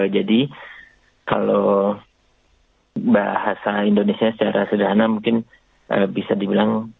jadi kalau bahasa indonesia secara sederhana mungkin bisa dibilang